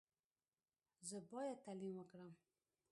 زه باید تعلیم وکړم.